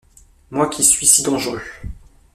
Moi qui suis si dangereux.